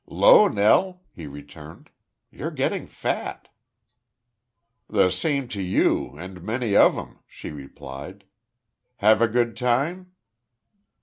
"'Lo, Nell," he returned. "You're getting fat." "The same to you, and many of 'em," she replied. "Have a good time?"